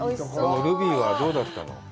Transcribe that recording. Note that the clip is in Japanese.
ルビーはどうだったの？